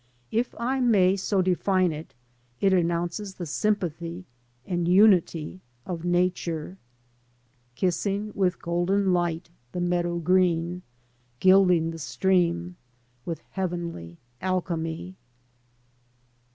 If I may so define it, it announces the sympathy and unity of Nature, "Kissing with golden light the meadow green, Gilding the stream with heavenly alchemy."